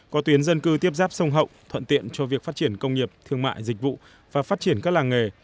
có tuyến dân cư tiếp ráp sông hậu thuận tiện cho việc phát triển công nghiệp thương mại dịch vụ và phát triển các làng nghề